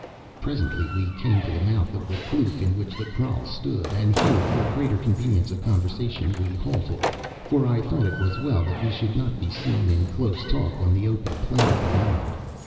"Presently we came to the mouth of the kloof in which the kraal stood, and here, for greater convenience of conversation, we halted, for I thought it as well that we should not be seen in close talk on the open plain beyond.